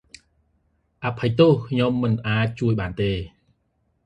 អភ័យទោស ខ្ញុំមិនអាចជួយបានទេ ។